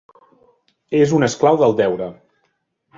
És un esclau del deure.